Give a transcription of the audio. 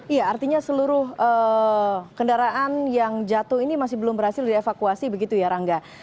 iya artinya seluruh kendaraan yang jatuh ini masih belum berhasil dievakuasi begitu ya rangga